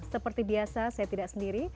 seperti biasa saya tidak sendiri